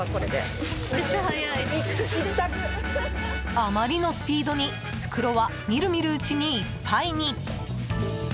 あまりのスピードに袋は見る見るうちにいっぱいに。